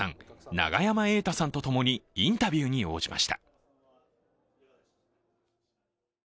永山瑛太さんとともにインタビューに応じました。